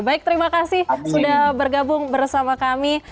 baik terima kasih sudah bergabung bersama kami